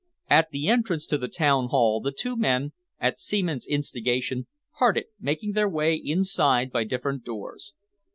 At the entrance to the town hall, the two men, at Seaman's instigation, parted, making their way inside by different doors.